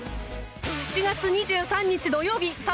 ７月２３日土曜日